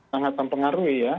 sangat mempengaruhi ya